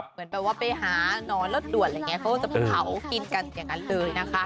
เหมือนแบบว่าไปหานอนรถด่วนอะไรอย่างนี้เขาก็จะไปเผากินกันอย่างนั้นเลยนะคะ